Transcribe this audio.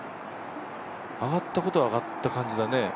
上がったことは上がった感じだね。